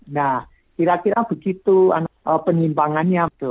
nah kira kira begitu penyimpangannya